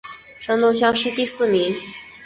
山东乡试第四名。